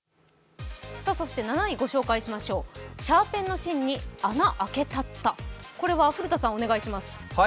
そして７位ご紹介しましょうシャーペンの芯に穴あけたったこれは古田さん、お願いします。